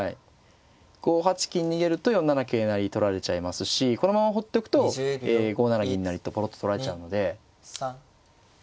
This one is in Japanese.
５八金逃げると４七桂成取られちゃいますしこのままほっとくと５七銀成とポロッと取られちゃうので。